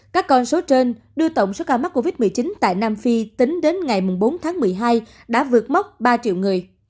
các con số trên đưa tổng số ca mắc covid một mươi chín tại nam phi tính đến ngày bốn tháng một mươi hai đã vượt mốc ba triệu người